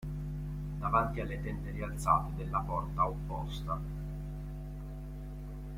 Davanti alle tende rialzate della porta opposta.